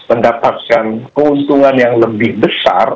mendapatkan keuntungan yang lebih besar